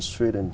và sử dụng